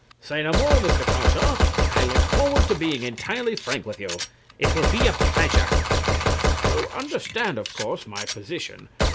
CLIFTON. Say no more, Mr. Crawshaw; I look forward to being entirely frank with you. It will be a pleasure. CRAWSHAW. You understand, of course, my position.